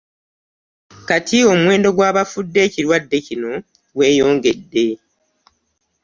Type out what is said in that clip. Kati omuwendo gw'abafudde ekirwadde kino gweyongedde